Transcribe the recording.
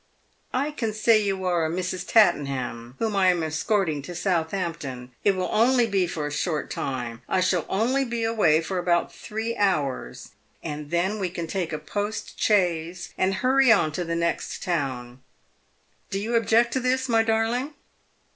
I can say you are a Mrs. Tattenham, whom I am escorting to Southampton. It will only be for a short time. I shall only be away for about three hours, and then we can take a post chaise and hurry on to the next town. Do you object to this, my darling?"